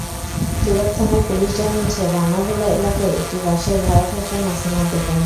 তুরাগ থানার পুলিশ জানিয়েছে, রানাভোলা এলাকায় একটি বাসায় ভাড়া থাকতেন নাসিমা বেগম।